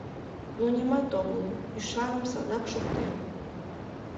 Но нимат огыл, ӱшаным садак шуктем».